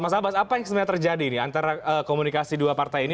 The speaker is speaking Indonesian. mas abbas apa yang sebenarnya terjadi antara komunikasi dua partai ini